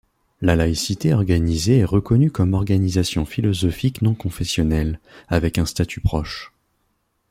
La laïcité organisée est reconnue comme organisation philosophique non confessionnelle, avec un statut proche.